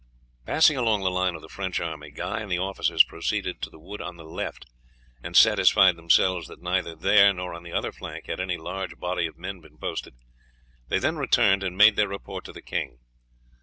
Passing along the line of the French army Guy and the officers proceeded to the wood on the left, and satisfied themselves that neither there nor on the other flank had any large body of men been posted. They then returned and made their report to the king.